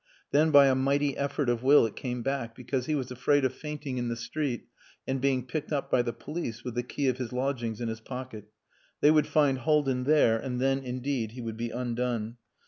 Then by a mighty effort of will it came back because he was afraid of fainting in the street and being picked up by the police with the key of his lodgings in his pocket. They would find Haldin there, and then, indeed, he would be undone.